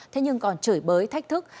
thế nhưng còn chửi bới thách thức